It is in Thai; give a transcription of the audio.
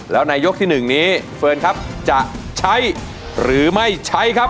แล้วในยกที่๑นี้เฟิร์นครับจะใช้หรือไม่ใช้ครับ